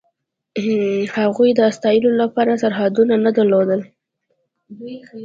د هغوی د ستایلو لپاره سرحدونه نه درلودل.